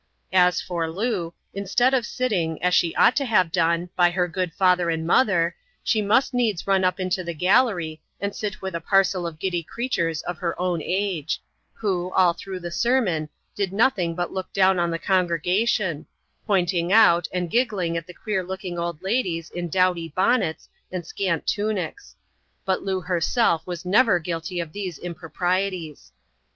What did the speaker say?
As for Loo, instead of sitting (as she ought to have done) by her good father and mother, she must needs run up into the gallery, and sit with a parcel of giddy creatures of her own age; who, all through the sermoii, did nothing but look down on the congregation ; pointing o\xt, wi^ %^%^^% ^\»VX\fcQj5MSi^TAs»kin^ csAP. Lxxnt ] TALOO CHAPEL. 3O8 old ladies in dawdj bonnets and scant tunics. But Loo herself was Bever guilty of these improprieties.